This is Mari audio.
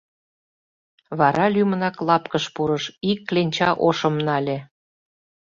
Вара лӱмынак лапкыш пурыш, ик кленча ошым нале.